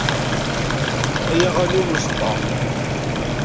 Ay aɣanim n uẓeṭṭa.